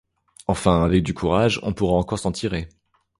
Enfin, avec du courage, on pourra encore s'en tirer.